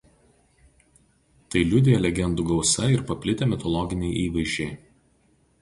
Tai liudija legendų gausa ir paplitę mitologiniai įvaizdžiai.